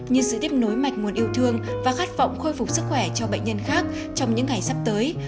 như sự tiếp nối mạch nguồn yêu thương và khát vọng khôi phục sức khỏe cho bệnh nhân khác trong những ngày sắp tới